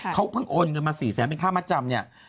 เขาเพิ่งโอนเงินมา๔๐๐๐๐๐บาทเป็นค่ามาจำเนี่ย